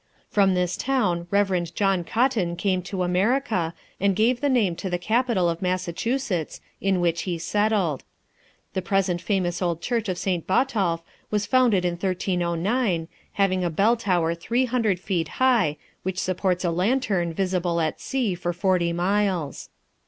From this town Reverend John Cotton came to America, and gave the name to the capital of Massachusetts, in which he settled. The present famous old church of St. Botolph was founded in 1309, having a bell tower three hundred feet high, which supports a lantern visible at sea for forty miles.